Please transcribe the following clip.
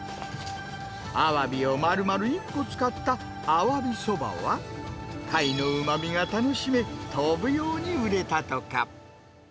アワビをまるまる１個使ったアワビそばは、貝のうまみが楽しめ、飛ぶように売れたとか。